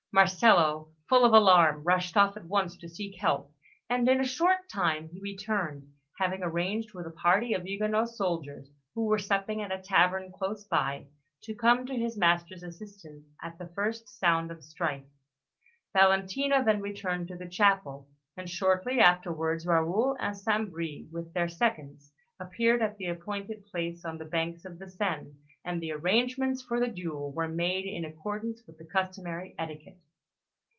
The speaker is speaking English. Marcello, full of alarm, rushed off at once to seek help; and in a short time he returned, having arranged with a party of Huguenot soldiers, who were supping at a tavern close by, to come to his master's assistance at the first sound of strife. Valentina then returned to the chapel; and shortly afterwards Raoul and St. Bris, with their seconds, appeared at the appointed place on the banks of the Seine, and the arrangements for the duel were made in accordance with the customary etiquette.